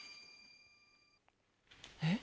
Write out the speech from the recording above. えっ？